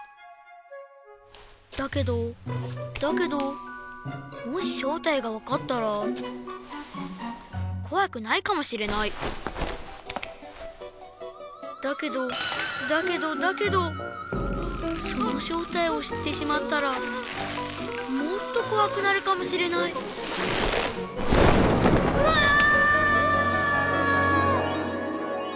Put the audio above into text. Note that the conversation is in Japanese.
だけどだけどもししょうたいがわかったらこわくないかもしれないだけどだけどだけどそのしょうたいをしってしまったらもっとこわくなるかもしれないうわぁ！